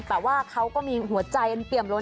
แต่ว่าเขาก็มีหัวใจเปรียบร้อย